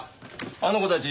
あの子たち